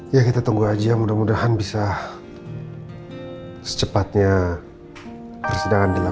ya kita tunggu aja mudah mudahan bisa secepatnya persidangan digelar